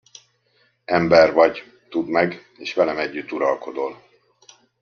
Ember vagy, tudd meg, és velem együtt uralkodol!